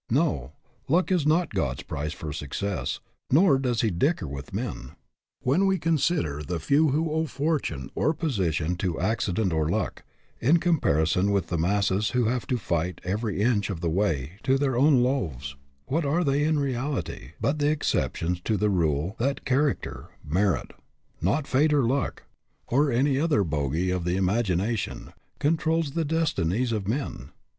No; luck is not God's price for success, nor does He dicker with men. When we consider the few who owe fortune or position to acci dent or luck, in comparison with the masses who have to fight every inch of the way to their own loaves, what are they, in reality, but the exceptions to the rule that character, merit not fate, or luck, or any other bogy of the imagination controls the destinies of men?